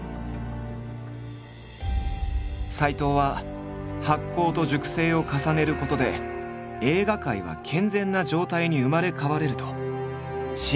斎藤は発酵と熟成を重ねることで映画界は健全な状態に生まれ変われると信じている。